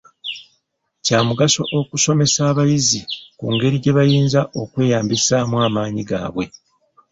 Kyamugaso okusomesa abayizi ku ngeri gye bayinza okweyambisaamu amaanyi gaabwe.